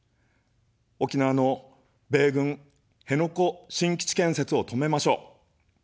沖縄の米軍辺野古新基地建設を止めましょう。